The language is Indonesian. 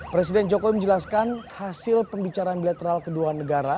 presiden jokowi menjelaskan hasil pembicaraan bilateral kedua negara